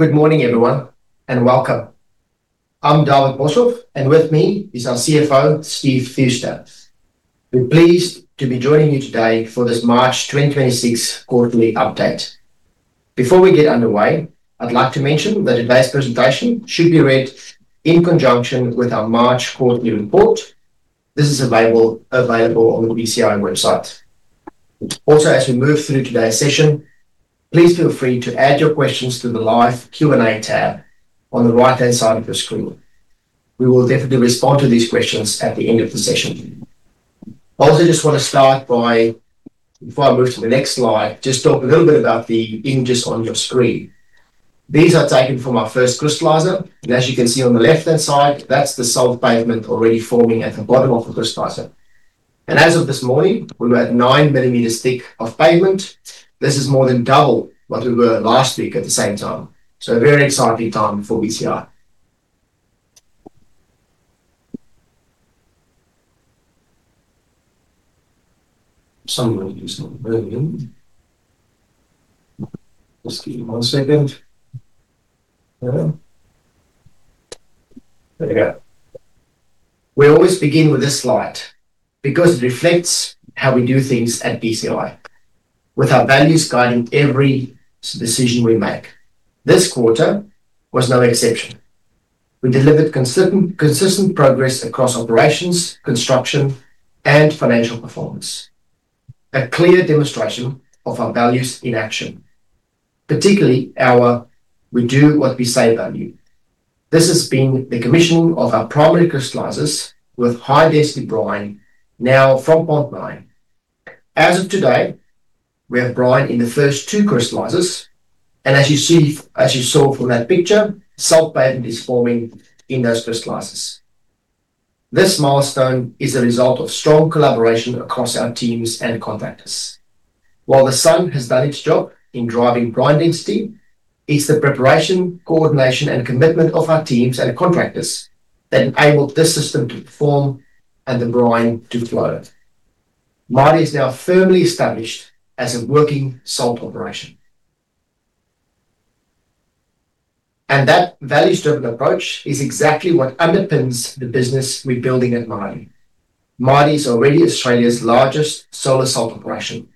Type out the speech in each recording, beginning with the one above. Good morning, everyone, and welcome. I'm David Boshoff, and with me is our Chief Financial Officer, Steve Fewster. We're pleased to be joining you today for this March 2026 quarterly update. Before we get underway, I'd like to mention that today's presentation should be read in conjunction with our March quarterly report. This is available on the BCI website. Also, as we move through today's session, please feel free to add your questions to the live Q&A tab on the right-hand side of your screen. We will definitely respond to these questions at the end of the session. I also just want to start by, before I move to the next slide, just talk a little bit about the images on your screen. These are taken from our first crystallizer. As you can see on the left-hand side, that's the salt pavement already forming at the bottom of the crystallizer. As of this morning, we were at 9 mm thick of pavement. This is more than double what we were last week at the same time. A very exciting time for BCI. Sun is not moving. Just give me one second. There we go. We always begin with this slide because it reflects how we do things at BCI with our values guiding every decision we make. This quarter was no exception. We delivered consistent progress across operations, construction, and financial performance, a clear demonstration of our values in action, particularly our "we do what we say" value. This has been the commissioning of our primary crystallizers with high-density brine now from Pond 9. As of today, we have brine in the first two crystallizers, and as you saw from that picture, salt pavement is forming in those crystallizers. This milestone is a result of strong collaboration across our teams and contractors. While the sun has done its job in driving brine density, it's the preparation, coordination, and commitment of our teams and contractors that enabled this system to perform and the brine to flow. Mardie is now firmly established as a working salt operation. That values-driven approach is exactly what underpins the business we're building at Mardie. Mardie is already Australia's largest solar salt operation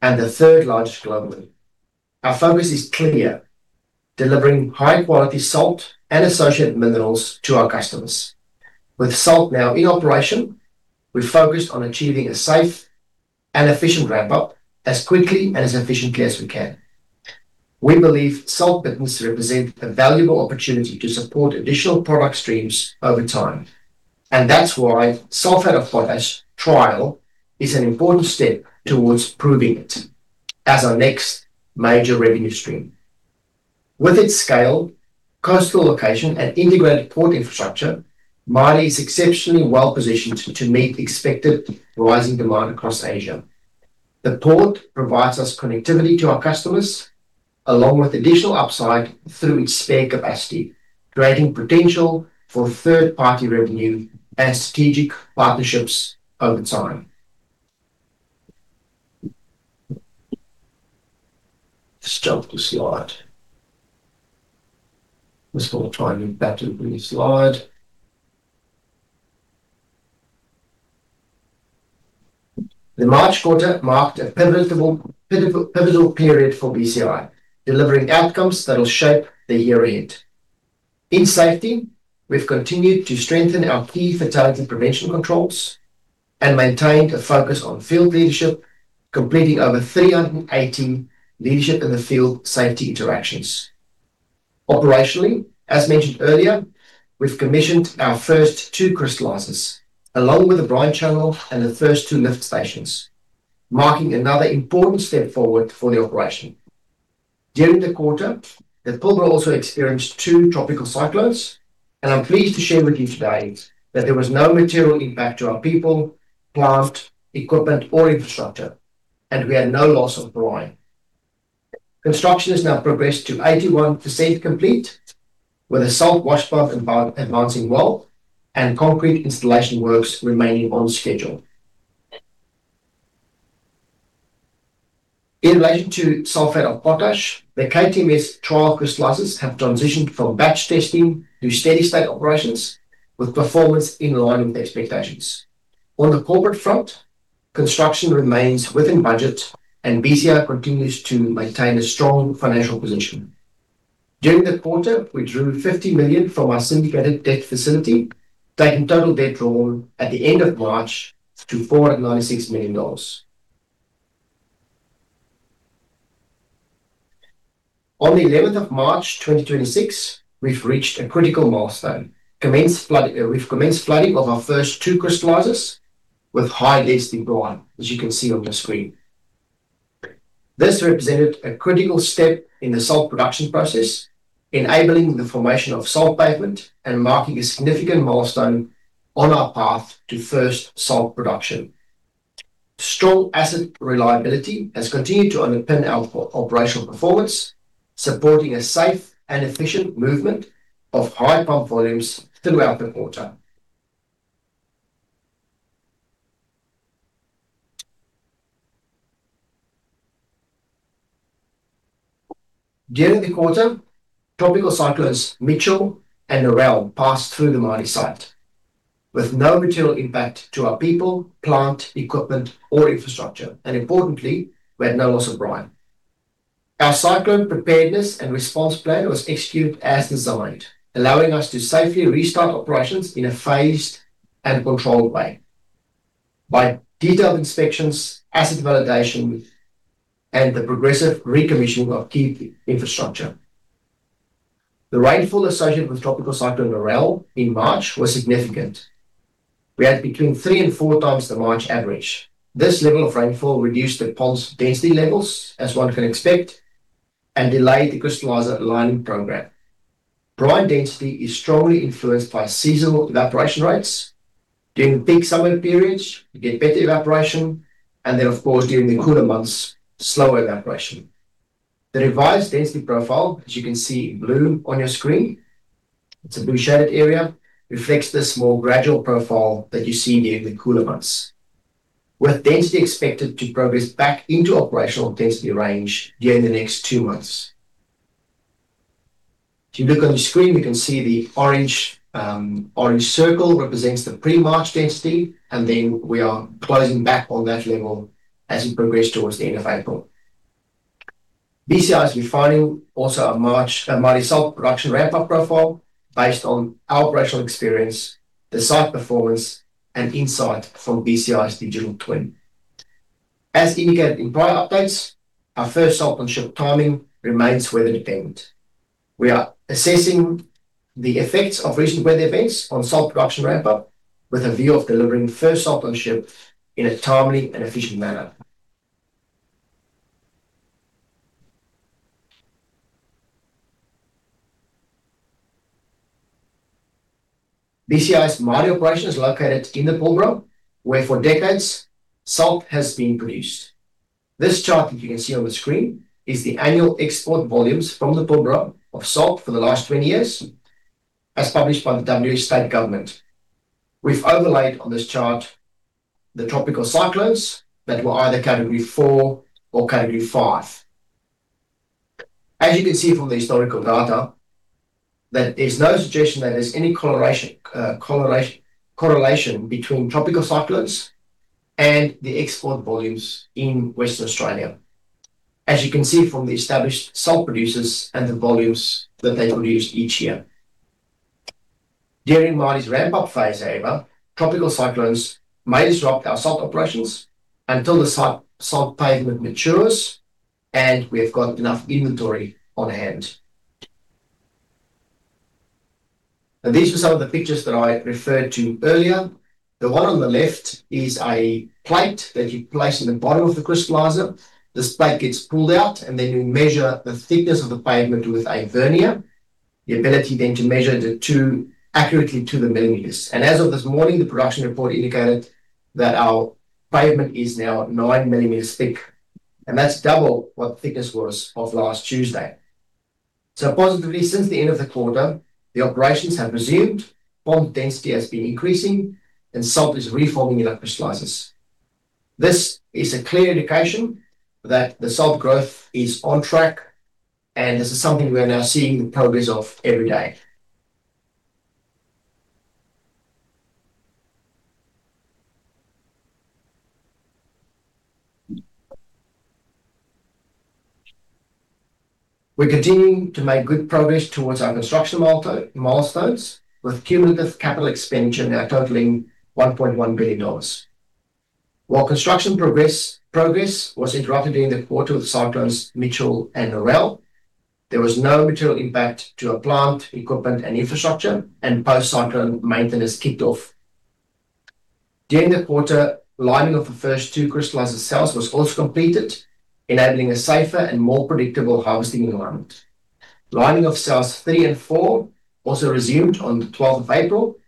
and the third largest globally. Our focus is clear, delivering high-quality salt and associated minerals to our customers. With salt now in operation, we're focused on achieving a safe and efficient ramp-up as quickly and as efficiently as we can. We believe salt bitterns represents a valuable opportunity to support additional product streams over time, and that's why sulfate of potash trial is an important step towards proving it as our next major revenue stream. With its scale, coastal location, and integrated port infrastructure, Mardie is exceptionally well-positioned to meet the expected rising demand across Asia. The port provides us connectivity to our customers, along with additional upside through its spare capacity, creating potential for third-party revenue and strategic partnerships over time. Stop the slide. We're still trying to battle with the slide. The March quarter marked a pivotal period for BCI, delivering outcomes that'll shape the year ahead. In safety, we've continued to strengthen our key fatality prevention controls and maintained a focus on field leadership, completing over 380 leadership in the field safety interactions. Operationally, as mentioned earlier, we've commissioned our first two crystallizers, along with the brine channel and the first two lift stations, marking another important step forward for the operation. During the quarter, the Pilbara also experienced two tropical cyclones, and I'm pleased to share with you today that there was no material impact to our people, plant, equipment, or infrastructure, and we had no loss of brine. Construction has now progressed to 81% complete, with a salt wash plant advancing well and concrete installation works remaining on schedule. In relation to sulfate of potash, the KTMS trial crystallizers have transitioned from batch testing to steady state operations with performance in line with expectations. On the corporate front, construction remains within budget, and BCI continues to maintain a strong financial position. During the quarter, we drew 50 million from our syndicated debt facility, taking total debt drawn at the end of March to 496 million dollars. On the eleventh of March, 2026, we've reached a critical milestone. We've commenced flooding of our first two crystallizers with high-density brine, as you can see on your screen. This represented a critical step in the salt production process, enabling the formation of salt pavement and marking a significant milestone on our path to first salt production. Strong asset reliability has continued to underpin our operational performance, supporting a safe and efficient movement of high pump volumes throughout the quarter. During the quarter, tropical cyclones Mitchell and Narelle passed through the Mardie site with no material impact to our people, plant, equipment or infrastructure, and importantly, we had no loss of brine. Our cyclone preparedness and response plan was executed as designed, allowing us to safely restart operations in a phased and controlled way by detailed inspections, asset validation, and the progressive recommissioning of key infrastructure. The rainfall associated with Tropical Cyclone Narelle in March was significant. We had between three and four times the March average. This level of rainfall reduced the pond's density levels as one can expect and delayed the crystallizer lining program. Brine density is strongly influenced by seasonal evaporation rates. During peak summer periods, you get better evaporation and then of course, during the cooler months, slower evaporation. The revised density profile, as you can see in blue on your screen, it's a blue shaded area, reflects the small gradual profile that you see during the cooler months, with density expected to progress back into operational density range during the next two months. If you look on the screen, we can see the orange circle represents the pre-March density, and then we are closing back on that level as we progress towards the end of April. BCI is refining also a Mardie salt production ramp-up profile based on our operational experience, the site performance and insight from BCI's digital twin. As indicated in prior updates, our first salt on ship timing remains weather dependent. We are assessing the effects of recent weather events on salt production ramp-up with a view of delivering first salt on ship in a timely and efficient manner. BCI's Mardie operation is located in the Pilbara, where for decades salt has been produced. This chart that you can see on the screen is the annual export volumes from the Pilbara of salt for the last 20 years, as published by the WA state government. We've overlaid on this chart the tropical cyclones that were either category four or category five. As you can see from the historical data, that there's no suggestion that there's any correlation between tropical cyclones and the export volumes in Western Australia. As you can see from the established salt producers and the volumes that they produce each year. During Mardie's ramp-up phase, however, tropical cyclones may disrupt our salt operations until the salt pavement matures and we have got enough inventory on hand. Now, these are some of the pictures that I referred to earlier. The one on the left is a plate that you place in the bottom of the crystallizer. This plate gets pulled out, and then you measure the thickness of the pavement with a vernier. The ability then to measure the two accurately to the millimeters. As of this morning, the production report indicated that our pavement is now 9 mm thick, and that's double what the thickness was of last Tuesday. Positively, since the end of the quarter, the operations have resumed. Pond density has been increasing and salt is reforming in our crystallizers. This is a clear indication that the salt growth is on track, and this is something we are now seeing the progress of every day. We're continuing to make good progress towards our construction milestones with cumulative capital expenditure now totaling 1.1 billion dollars. While construction progress was interrupted during the quarter with cyclones Mitchell and Narelle, there was no material impact to our plant, equipment and infrastructure and post-cyclone maintenance kicked off. During the quarter, lining of the first two crystallizer cells was also completed, enabling a safer and more predictable harvesting environment. Lining of Cells 3 and 4 also resumed on the 12th of April.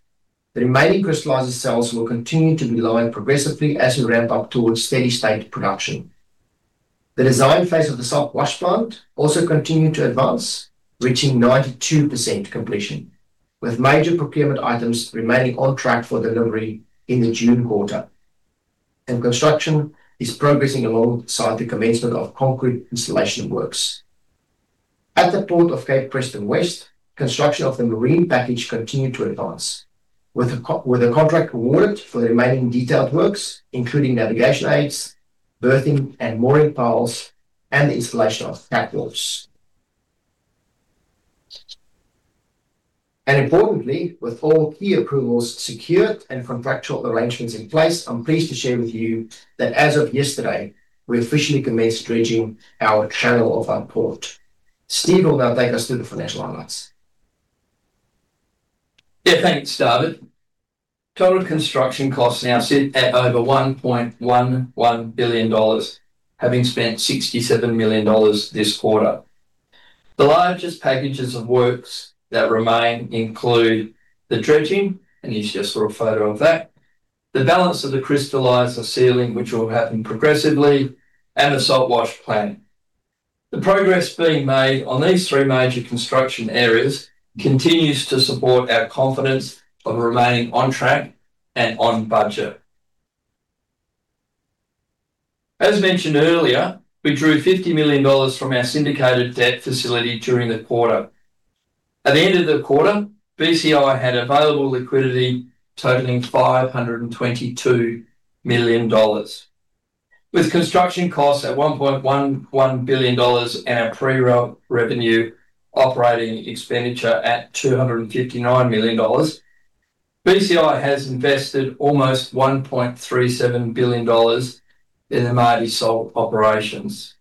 The remaining crystallizer cells will continue to be lined progressively as we ramp up towards steady state production. The design phase of the salt wash plant also continued to advance, reaching 92% completion, with major procurement items remaining on track for delivery in the June quarter. Construction is progressing alongside the commencement of concrete installation works. At the Port of Cape Preston West, construction of the marine package continued to advance with a contract awarded for the remaining detailed works, including navigation aids, berthing and mooring piles, and the installation of cap lifts. Importantly, with all key approvals secured and contractual arrangements in place, I'm pleased to share with you that as of yesterday, we officially commenced dredging our channel of our port. Steve will now take us through the financial highlights. Yeah. Thanks, David. Total construction costs now sit at over 1.11 billion dollars, having spent 67 million dollars this quarter. The largest packages of works that remain include the dredging, and you just saw a photo of that. The balance of the crystallizer sealing, which will happen progressively, and the salt wash plant. The progress being made on these three major construction areas continues to support our confidence of remaining on track and on budget. As mentioned earlier, we drew 50 million dollars from our syndicated debt facility during the quarter. At the end of the quarter, BCI had available liquidity totaling 522 million dollars. With construction costs at 1.11 billion dollars and our pre-revenue operating expenditure at 259 million dollars, BCI has invested almost 1.37 billion dollars in the Mardie salt operations.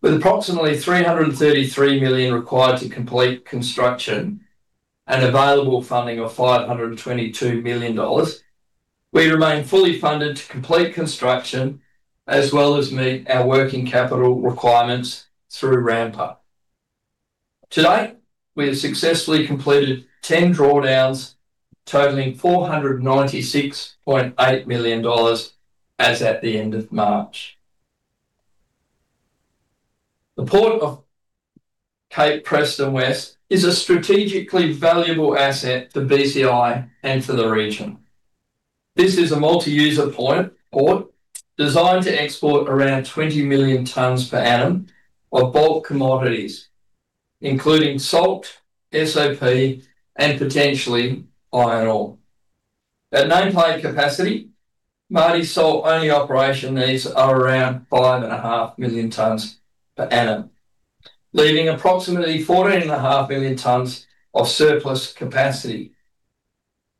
With approximately 333 million required to complete construction and available funding of 522 million dollars, we remain fully funded to complete construction as well as meet our working capital requirements through ramp-up. To date, we have successfully completed 10 drawdowns totaling 496.8 million dollars as at the end of March. The Port of Cape Preston West is a strategically valuable asset for BCI and for the region. This is a multi-user port designed to export around 20 million tons per annum of bulk commodities, including salt, SOP and potentially iron ore. At nameplate capacity, Mardie salt only operation needs are around 5.5 million tons per annum, leaving approximately 14.5 million tons of surplus capacity.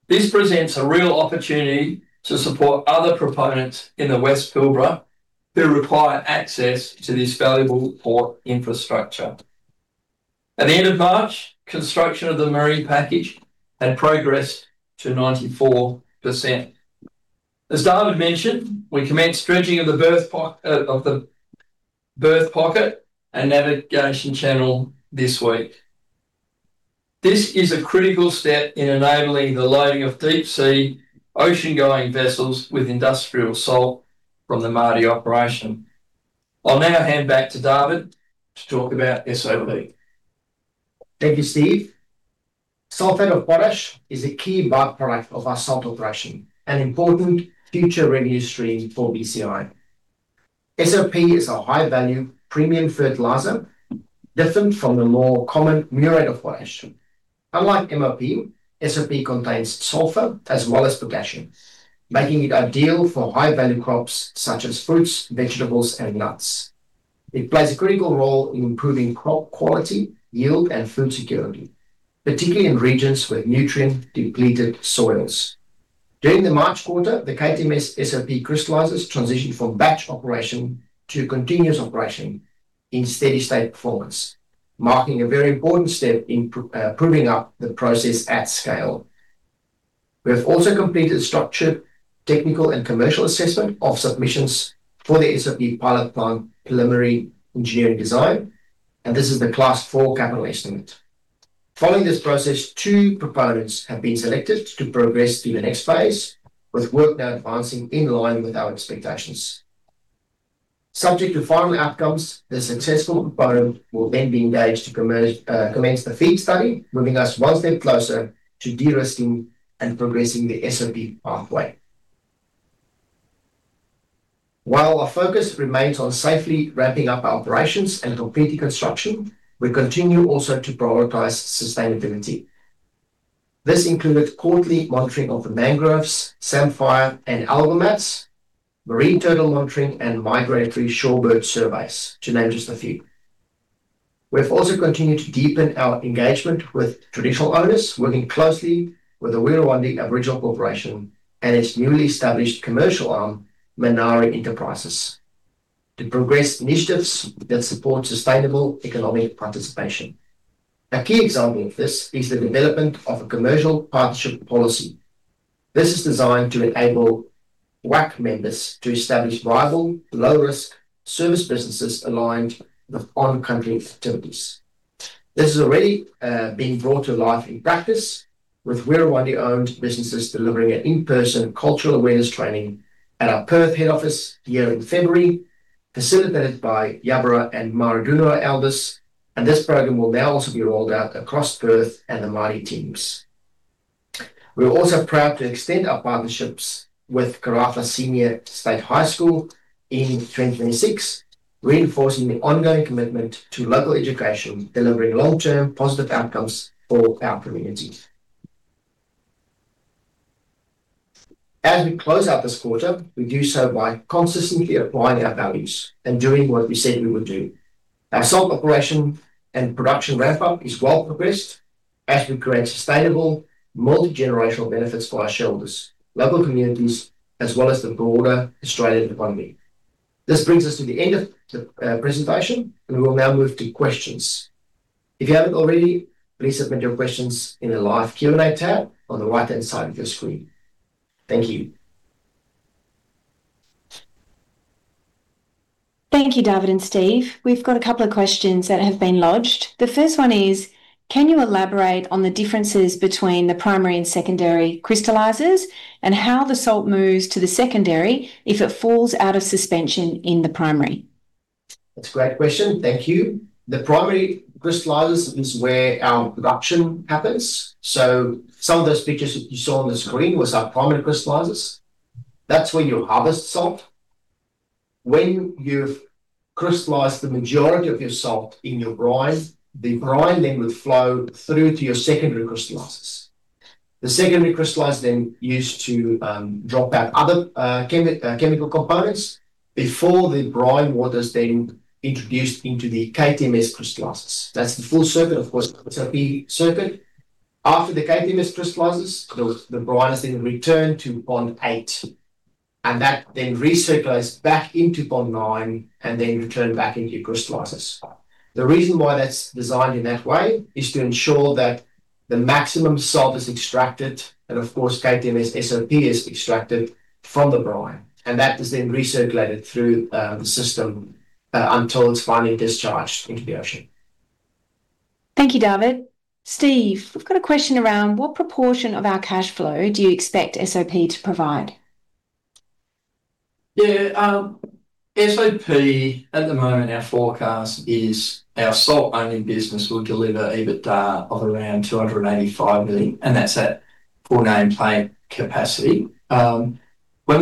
This presents a real opportunity to support other proponents in the West Pilbara who require access to this valuable port infrastructure. At the end of March, construction of the marine package had progressed to 94%. As David mentioned, we commenced dredging of the berth pocket and navigation channel this week. This is a critical step in enabling the loading of deep-sea oceangoing vessels with industrial salt from the Mardie operation. I'll now hand back to David to talk about SOP. Thank you, Steve, sulfate of potash is a key byproduct of our salt operation and important future revenue stream for BCI. SOP is a high-value premium fertilizer different from the more common muriate of potash. Unlike MOP, SOP contains sulfur as well as potassium, making it ideal for high-value crops such as fruits, vegetables and nuts. It plays a critical role in improving crop quality, yield and food security, particularly in regions with nutrient-depleted soils. During the March quarter, the KTMS SOP crystallizers transitioned from batch operation to continuous operation in steady state performance, marking a very important step in proving up the process at scale. We have also completed structured technical and commercial assessment of submissions for the SOP pilot plant preliminary engineering design, and this is the Class 4 Capital Estimate. Following this process, two proponents have been selected to progress to the next phase, with work now advancing in line with our expectations. Subject to final outcomes, the successful proponent will then be engaged to commence the FEED study, moving us one step closer to de-risking and progressing the SOP pathway. While our focus remains on safely ramping up our operations and completing construction, we continue also to prioritize sustainability. This included quarterly monitoring of the mangroves, samphire and algal mats, marine turtle monitoring and migratory shorebird surveys, to name just a few. We've also continued to deepen our engagement with traditional owners, working closely with the Wirrawandi Aboriginal Corporation and its newly established commercial arm, Minari Enterprises, to progress initiatives that support sustainable economic participation. A key example of this is the development of a commercial partnership policy. This is designed to enable WAC members to establish viable, low-risk service businesses aligned with on-country activities. This has already been brought to life in practice, with Wirrawandi-owned businesses delivering an in-person cultural awareness training at our Perth head office here in February, facilitated by Yaburara and Mardudhunera elders. This program will now also be rolled out across Perth and the Mardie teams. We are also proud to extend our partnerships with Karratha Senior High School in 2026, reinforcing the ongoing commitment to local education, delivering long-term positive outcomes for our communities. As we close out this quarter, we do so by consistently applying our values and doing what we said we would do. Our salt operation and production ramp-up is well progressed as we create sustainable multi-generational benefits for our shareholders, local communities, as well as the broader Australian economy. This brings us to the end of the presentation, and we will now move to questions. If you haven't already, please submit your questions in the live Q&A tab on the right-hand side of your screen. Thank you. Thank you, David and Steve. We've got a couple of questions that have been lodged. The first one is, can you elaborate on the differences between the primary and secondary crystallizers and how the salt moves to the secondary if it falls out of suspension in the primary? That's a great question. Thank you. The primary crystallizer is where our production happens. Some of those pictures that you saw on the screen was our primary crystallizers. That's where you harvest salt. When you've crystallized the majority of your salt in your brine, the brine then will flow through to your secondary crystallizers. The secondary crystallizer then used to drop out other chemical components before the brine water is then introduced into the KTMS crystallizers. That's the full circuit, of course, that's our P circuit. After the KTMS crystallizers, the brine is then returned to Pond 8, and that then recirculates back into Pond 9 and then return back into your crystallizers. The reason why that's designed in that way is to ensure that the maximum salt is extracted, and of course, KTMS SOP is extracted from the brine, and that is then recirculated through the system until it's finally discharged into the ocean. Thank you, David. Steve, we've got a question around what proportion of our cash flow do you expect SOP to provide? SOP at the moment, our forecast is our salt-only business will deliver EBITDA of around 285 million, and that's at full nameplate capacity. When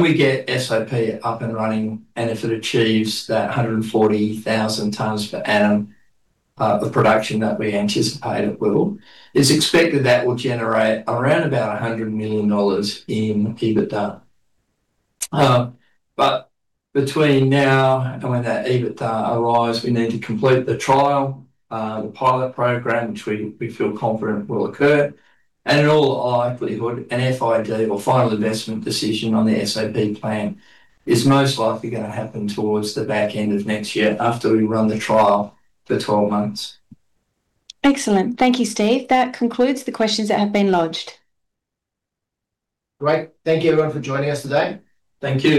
we get SOP up and running and if it achieves that 140,000 tons per annum of production that we anticipate it will, it's expected that will generate around about 100 million dollars in EBITDA. But between now and when that EBITDA arrives, we need to complete the trial, the pilot program, which we feel confident will occur. In all likelihood, an FID or Final Investment Decision on the SOP plan is most likely gonna happen towards the back end of next year after we run the trial for 12 months. Excellent. Thank you, Steve. That concludes the questions that have been lodged. Great. Thank you everyone for joining us today. Thank you.